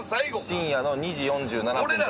深夜の２時４７分から。